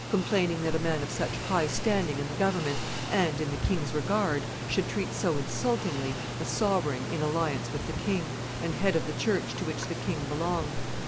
complaining that a man of such high standing in the government and in the king's regard should treat so insultingly a sovereign in alliance with the king, and head of the church to which the king belonged.